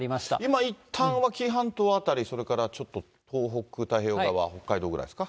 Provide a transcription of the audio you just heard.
今、いったんは紀伊半島辺り、それからちょっと東北太平洋側、北海道ぐらいですか。